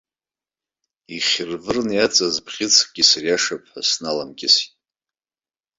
Ихьыр-вырны иаҵаз бӷьыцкгьы сыриашап ҳәа сналамкьысит.